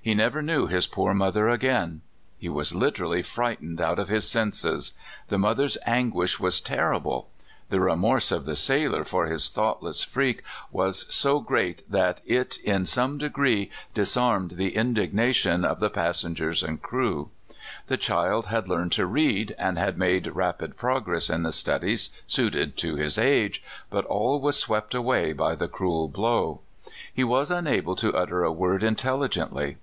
He never knew his poor mother again. He was liter ally friglitened out of his senses. The mother's anguish was terrible. The remorse of the sailor (153) 154 CALIFORNIA SKETCHES. for his thoughtless freak was so great that it in some degree disarmed the indignation of the pas sengers and crew. The child had learned to read, and had made rapid progress in the studies suited to his age, but all was swept away by the cruel blow. He was unable to utter a word intelligently.